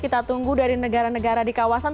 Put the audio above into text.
kita tunggu dari negara negara di kawasan